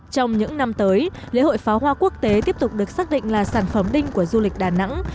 trong những năm tới lễ hội pháo hoa quốc tế tiếp tục được xác định là sản phẩm đinh của du lịch đà nẵng